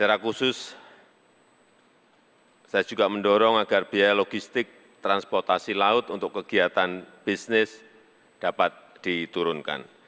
secara khusus saya juga mendorong agar biaya logistik transportasi laut untuk kegiatan bisnis dapat diturunkan